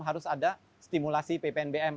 harus ada stimulasi ppnbm